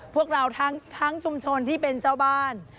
พวกเราทั้งชุมชนที่เป็นเจ้าบ้าน